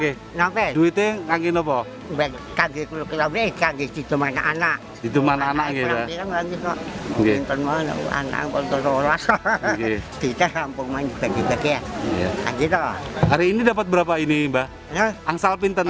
hari ini dapat berapa ini mbak angsal pintan